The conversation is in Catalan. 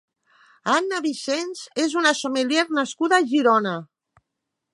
Anna Vicens és una sommelier nascuda a Girona.